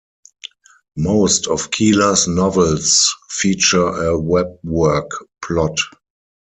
Most of Keeler's novels feature a webwork plot.